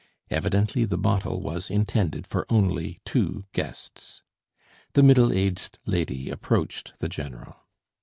Evidently the bottle was intended for only two guests. The middle aged lady approached the general.